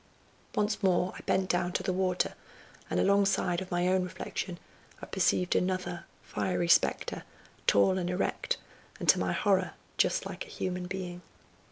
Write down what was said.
Once more I bent down to the water, and alongside of my own reflection I perceived another fiery spectre, tall and erect, and to my horror just like a human being.